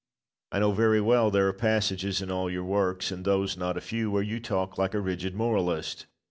I know very well there are passages in all your works, and those not a few, where you talk like a rigid moralist.